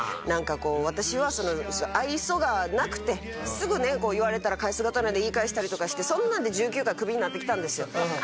なんか私は愛想がなくてすぐね言われたら返す刀で言い返したりとかしてそんなんで１９回クビになってきたんですよ。